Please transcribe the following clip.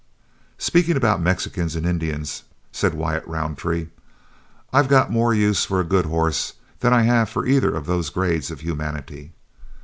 "Speaking about Mexicans and Indians," said Wyatt Roundtree, "I've got more use for a good horse than I have for either of those grades of humanity.